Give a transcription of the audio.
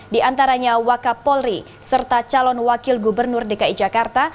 diantaranya wakap polri serta calon wakil gubernur dki jakarta